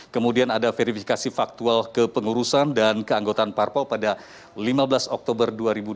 kemudian ada verifikasi faktual kepengurusan dan keanggotaan parpol pada lima belas oktober dua ribu dua puluh